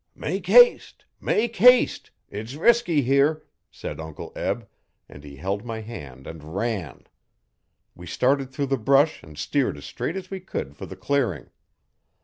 'Make haste! Make haste! It's resky here,' said Uncle Eb, and he held my hand and ran. We started through the brush and steered as straight as we could for the clearing.